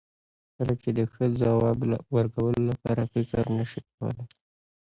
کله چې د ښه ځواب ورکولو لپاره فکر نشې کولای.